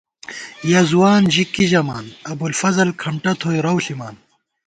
یَہ ځوان ژی کی ژَمان ابوالفضل کھمٹہ تھوئی رَو ݪِمان